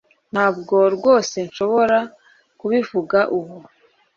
Ntabwo rwose nshobora kubivuga ubu